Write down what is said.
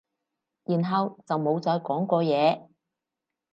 然後就冇再講過嘢